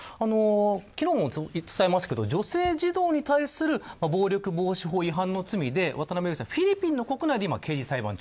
昨日も伝えましたけど女性・児童に対する暴力防止法違反の罪で渡辺容疑者はフィリピンの国内で今、刑事裁判中。